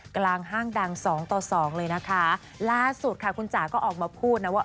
กลางห้างดังสองต่อสองเลยนะคะล่าสุดค่ะคุณจ๋าก็ออกมาพูดนะว่า